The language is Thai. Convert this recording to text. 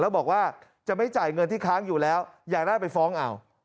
แล้วบอกว่าจะไม่จ่ายเงินที่ค้างอยู่แล้วอยากได้ไปฟ้องเอา